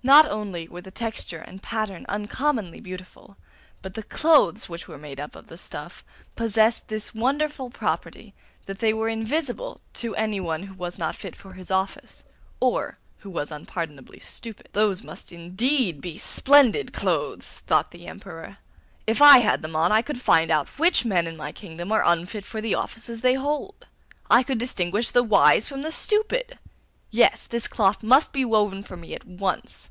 Not only were the texture and pattern uncommonly beautiful, but the clothes which were made of the stuff possessed this wonderful property that they were invisible to anyone who was not fit for his office, or who was unpardonably stupid. 'Those must indeed be splendid clothes,' thought the Emperor. 'If I had them on I could find out which men in my kingdom are unfit for the offices they hold; I could distinguish the wise from the stupid! Yes, this cloth must be woven for me at once.